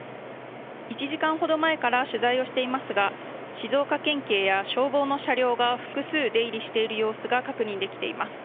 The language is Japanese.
１時間ほど前から取材をしていますが、静岡県警や消防の車両が複数、出入りする様子が確認できています。